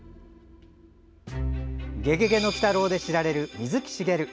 「ゲゲゲの鬼太郎」で知られる水木しげる。